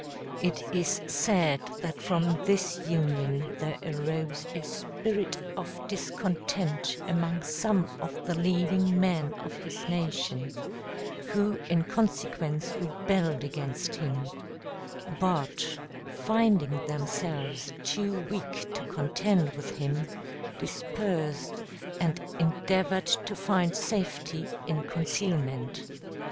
It is said that from this union there arose a spirit of discontent among some of the leading men of his nation, who in consequence rebelled against him; but, finding themselves too weak to contend with him, dispersed, and endeavored to find safety in concealment.